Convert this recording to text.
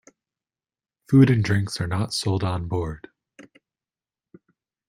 Food and drinks are not sold on board.